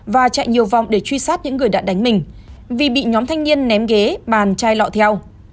và chạy nhiều vòng để truy sát những người đã đánh mình vì bị nhóm thanh niên ném ghế bàn chai lọ theo